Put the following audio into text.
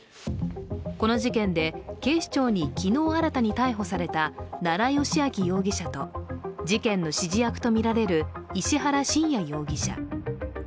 この事件で警視庁に昨日、新たに逮捕された奈良幸晃容疑者と事件の指示役とみられる石原信也容疑者。